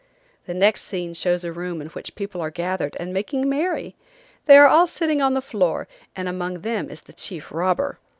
The next scene shows a room in which the people are gathered and making merry. They are all sitting on the floor, and among them is the chief robber.